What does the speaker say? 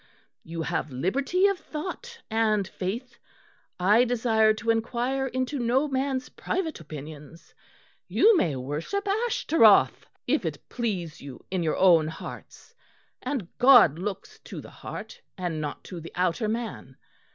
You have liberty of thought and faith; I desire to inquire into no man's private opinions. You may worship Ashtaroth if it please you, in your own hearts; and God looks to the heart, and not to the outer man.